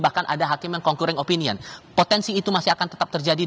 bahkan ada hakim yang concuring opinion potensi itu masih akan tetap terjadi